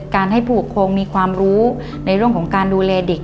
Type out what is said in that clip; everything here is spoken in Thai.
การให้ผู้ปกครองมีความรู้ในเรื่องของการดูแลเด็ก